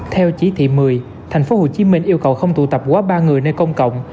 theo chỉ thị một mươi tp hcm yêu cầu không tụ tập quá ba người nơi công cộng